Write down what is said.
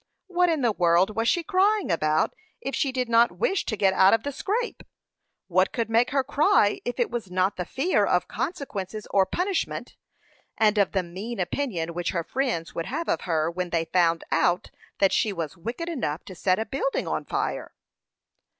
What in the world was she crying about, if she did not wish to get out of the scrape? What could make her cry if it was not the fear of consequences of punishment, and of the mean opinion which her friends would have of her, when they found out that she was wicked enough to set a building on fire?